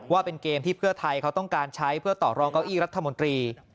ว่าเป็นเกมที่เพื่อไทยเขาต้องการใช้เพื่อต่อรองเก้าอี้รัฐมนตรี